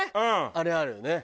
あれあるよね。